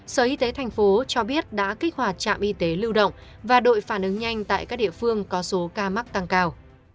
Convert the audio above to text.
sở y tế thành phố cho biết đã kích hoạt trạm y tế lưu động và đội phản ứng nhanh tại các địa phương có số ca mắc tăng cao